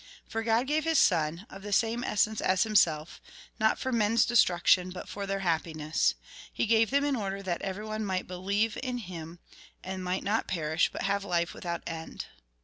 For God gave His Son, of the same essence as Himself, not for men's destruction, but for then happiness. He gave him in order that everyone might believe in him, and might not perish, but have life without end.